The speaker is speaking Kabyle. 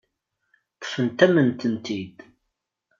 Ṭṭfent-am-tent-id.